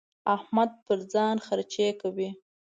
احمد پر ځان خرڅې کوي.